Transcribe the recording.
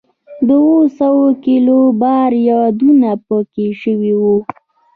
د اووه سوه کیلو بار یادونه په کې شوې وه.